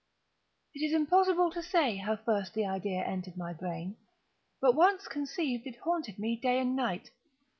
It is impossible to say how first the idea entered my brain; but once conceived, it haunted me day and night.